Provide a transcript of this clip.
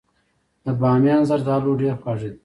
د بامیان زردالو ډیر خواږه دي.